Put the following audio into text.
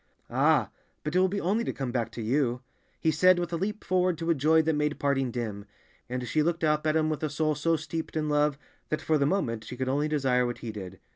"Ah, but it will be only to come back to you," he said with a leap forward to a joy that made parting dim, and she looked up at him with a soul so steeped in love that for the moment she could only desire what he did.